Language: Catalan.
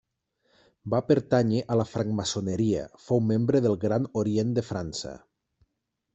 Va pertànyer a la francmaçoneria, fou membre del Gran Orient de França.